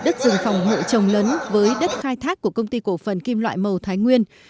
đất rừng phòng hộ trồng lấn với đất khai thác của công ty cổ phần kim loại màu thái nguyên